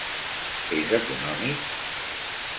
És econòmic?